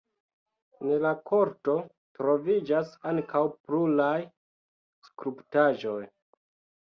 En la korto troviĝas ankaŭ pluraj skulptaĵoj.